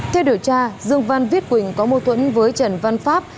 theo điều tra dương văn viết quỳnh có mâu thuẫn với trần văn pháp